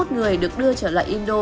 bốn mươi một người được đưa trở lại indo